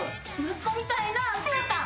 息子みたいなせやたん。